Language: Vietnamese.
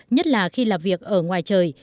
nhất là khi làm việc ở ngoài trời